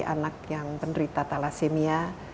anak yang penderita thalassemia